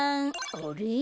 あれ？